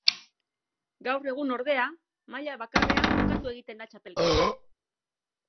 Gaur egun ordea, maila bakarrean jokatu egiten da txapelketa.